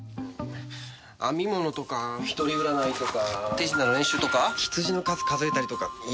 編み物とか一人占いとか手品の練習とかヒツジの数数えたりとかいろいろあるだろ。